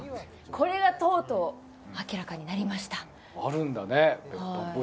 これがとうとう明らかになりました